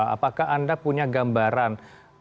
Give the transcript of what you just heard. apakah anda punya gambaran